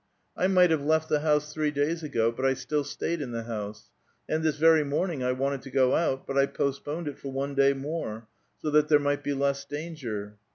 I might have left the house three days ago, but I still stayed in the house ; and this very morning I wanted to go out, but I postponed it for one day more, so that there might be less danger."